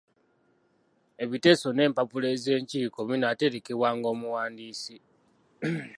Ebiteeso n'Empapula z'Enkiiko binaaterekebwanga omuwandiisi.